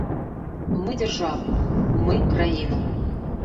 Мы дзяржава, мы краіна.